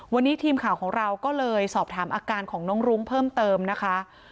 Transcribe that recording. วันนี้ทีมข่าวของเราก็เลยสอบถามอาการของน้องรุ้งเพิ่มเติมนะคะ